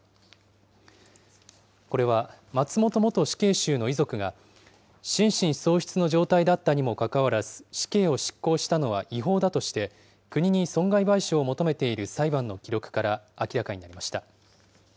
これは松本元死刑囚の遺族が、心神喪失の状態だったにもかかわらず、死刑を執行したのは違法だとして、国に損害賠償を求めている裁判の記録から明らかになりました。